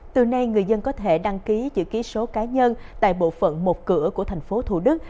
từ nay người dân có thể đăng ký chữ ký số cá nhân tại bộ phận một cửa của thành phố thủ đức